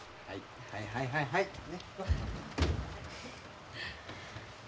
はいはいはいはいはい。